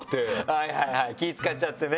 はいはいはい気使っちゃってね。